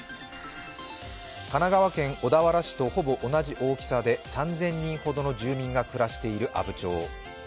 神奈川県小田原市とほぼ同じ大きさで３０００人ほどの住民が暮らしている阿武町。